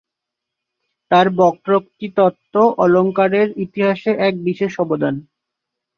তাঁর বক্রোক্তিতত্ত্ব অলঙ্কারের ইতিহাসে এক বিশেষ অবদান।